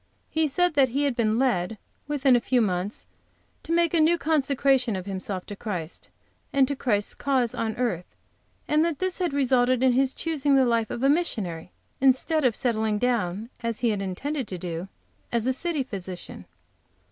He said that he had been led, within a few months, to make a new consecration of himself to Christ and to Christ's cause on earth, and that this had resulted in his choosing the life of a missionary, instead of settling down, as he had intended to do, as a city physician.